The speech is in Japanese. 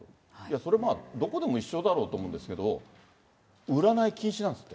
それ、まあ、どこでも一緒だろうと思うんですが、占い禁止なんですって。